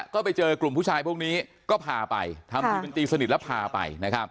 ก็ไปเจอกลุ่มผู้ชายพวกนี้ก็พาไปทำทีเป็นตีสนิทแล้วพาไป